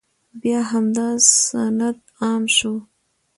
بیا همدا سنت عام شو،